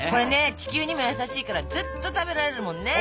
地球にも優しいからずっと食べられるもんね。